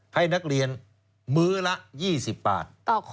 ให้นักเรียนมื้อละ๒๐บาท